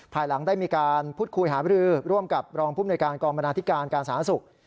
ภายหลังได้มีการพูดคุยหาบรือร่วมกับรองภูมิในการกองบรรณาธิการการสาธารณสุข